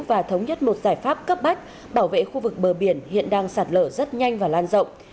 và thống nhất một giải pháp cấp bách bảo vệ khu vực bờ biển hiện đang sạt lở rất nhanh và lan rộng